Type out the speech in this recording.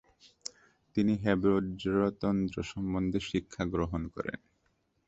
তিনি হেবজ্র তন্ত্র সম্বন্ধে শিক্ষাগ্রহণ করেন।